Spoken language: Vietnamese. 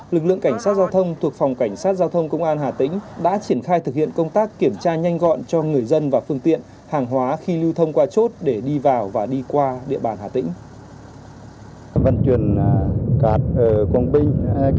lực lượng cảnh sát giao thông thuộc phòng cảnh sát giao thông công an hà tĩnh đã triển khai thực hiện công tác kiểm tra nhanh gọn cho người dân và phương tiện hàng hóa khi lưu thông qua chốt để đi vào và đi qua địa bàn hà tĩnh